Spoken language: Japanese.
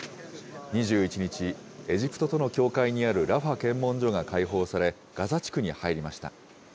２１日、エジプトとの境界にあるラファ検問所が開放され、ガザ地区に入りました。